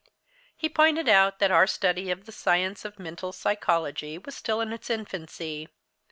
He pointed out that our study of the science of mental psychology was still in its infancy.